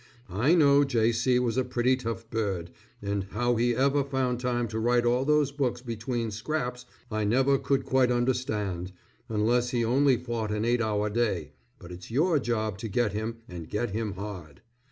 I know J. C. was a pretty tough bird, and how he ever found time to write all those books between scraps, I never could quite understand, unless he only fought an eight hour day, but it's your job to get him and get him hard.